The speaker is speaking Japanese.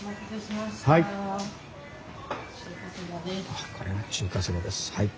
わっこれが中華そばです。